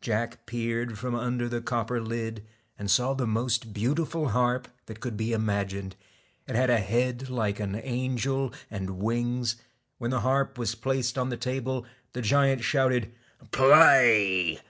Jack peered from under the copper lid, and saw the most beautiful harp that could be imagined. It had a head like an angel, and wings. When the harp was placed on the table, the giant shouted 'Play!'